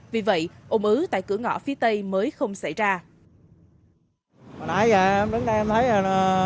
vì vậy ồn ứ tại cửa ngõ phía tây mới không xảy ra